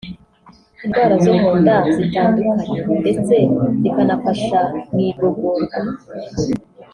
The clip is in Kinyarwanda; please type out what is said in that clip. indwara zo mu nda zitandukanye ndetse zikanafasha mu igogorwa